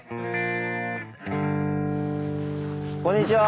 こんにちは。